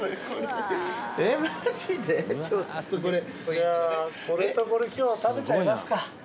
じゃあこれとこれ今日食べちゃいますか。